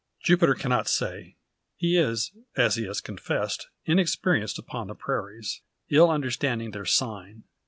Jupiter cannot say. He is, as he has confessed, inexperienced upon the prairies, ill understanding their "sign."